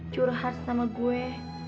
curhat sama gue